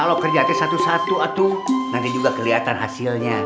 kalo kerjanya satu satu atuh nanti juga keliatan hasilnya